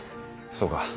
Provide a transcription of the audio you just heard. そうか。